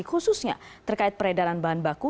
khususnya terkait peredaran bahan baku